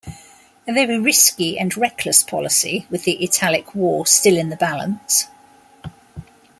A very risky and reckless policy with the Italic War still in the balance.